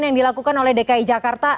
yang dilakukan oleh dki jakarta